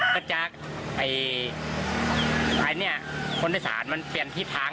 ก็จะไอไอเนี้ยคนทศาสตร์มันเปลี่ยนฮีตทาง